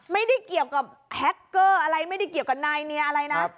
ไม่ได้เกี่ยวกับแฮคเกอร์อะไรไม่ได้เกี่ยวกับนายเนียอะไรนะ